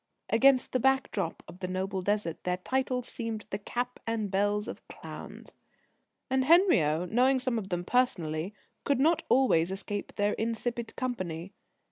Against the background of the noble Desert their titles seemed the cap and bells of clowns. And Henriot, knowing some of them personally, could not always escape their insipid company.